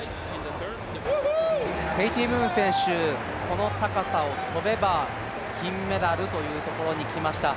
ケイティ・ムーン選手、この高さを跳べば金メダルということになりました。